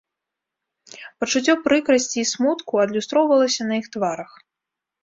Пачуццё прыкрасці і смутку адлюстроўвалася на іх тварах.